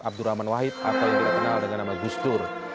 abdurrahman wahid atau yang dikenal dengan nama gusdur